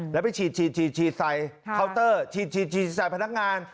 แล้วไปฉีดใส่เคาน์เตอร์ฉีดใส่พนักงาน